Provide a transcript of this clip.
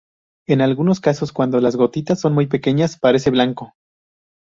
En algunos casos cuando las gotitas son muy pequeñas parece blanco.